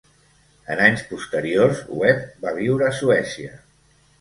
En anys posteriors, Webb va viure a Suècia.